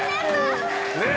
ねえ！